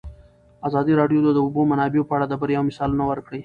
ازادي راډیو د د اوبو منابع په اړه د بریاوو مثالونه ورکړي.